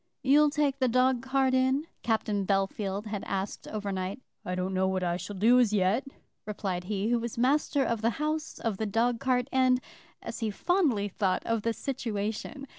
"You'll take the dog cart in?" Captain Bellfield had asked overnight. "I don't know what I shall do as yet," replied he who was master of the house, of the dog cart, and, as he fondly thought, of the situation.